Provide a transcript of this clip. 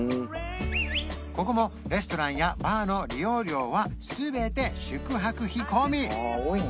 ここもレストランやバーの利用料は全て宿泊費込み